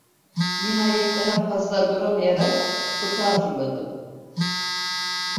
Nihayet daha fazla duramayarak sokağa fırladım.